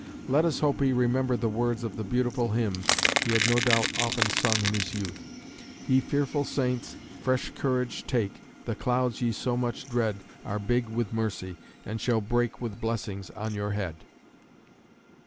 Let us hope he remembered the words of the beautiful hymn he had no doubt often sung in his youth: "Ye fearful saints, fresh courage take The clouds ye so much dread Are big with mercy, and shall break With blessings on your head."